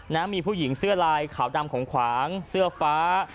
นะมีผู้หญิงเสื้อลายขาวดำของขวางเสื้อฟ้า